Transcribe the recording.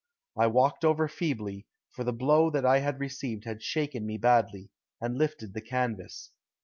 I walked over feebly, for the blow that I had received had shaken me badly, and lifted the canvas.